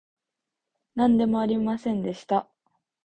なんでもありませんでした